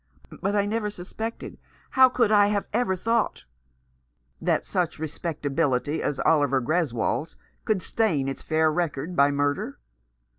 But I never suspected, how could I have ever thought " "That such respectability as Oliver Greswold's could stain its fair record by murder.